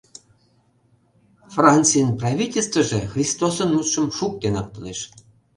Францийын правительствыже Христосын мутшым «шуктенак» толеш.